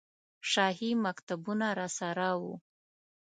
شاهي مکتوبونه راسره وو.